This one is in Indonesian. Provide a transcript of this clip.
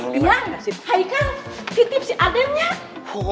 biar haikal titip si adennya